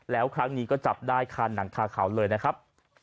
แล้วครั้งนี้ก็จับได้คานหนังคาเขาเลยนะครับ